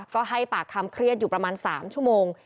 ก็ให้ปากคำเครียดอยู่ประมาณ๓ชั่วโมง